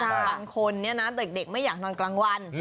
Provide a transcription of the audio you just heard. บางคนเนี่ยนะเด็กไม่อยากนอนกลางวัน